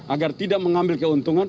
agar tidak mengambil keuntungan